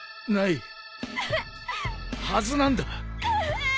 はずなんだ。